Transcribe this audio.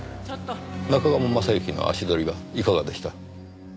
中鴨昌行の足取りはいかがでした？